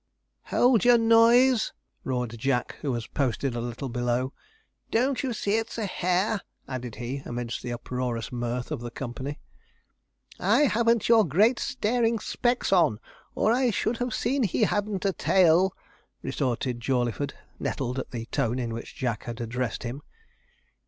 'Hold your noise!' roared Jack, who was posted a little below. 'Don't you see it's a hare?' added he, amidst the uproarious mirth of the company. 'I haven't your great staring specs on, or I should have seen he hadn't a tail,' retorted Jawleyford, nettled at the tone in which Jack had addressed him.